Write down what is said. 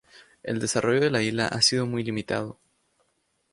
El desarrollo de la isla ha sido muy limitado.